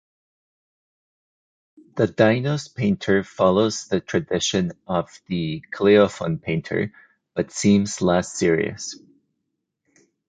The Dinos painter follows the tradition of the Kleophon painter but seems less serious.